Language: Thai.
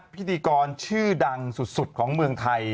พิธีกรชื่อดังสุดของเมืองไทย